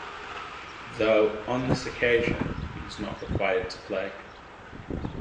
Though on this occasion he was not required to play.